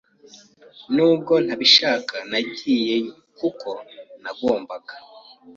Nubwo ntabishaka, nagiyeyo kuko nagombaga.